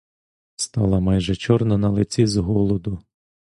Стала майже чорна на лиці з голоду.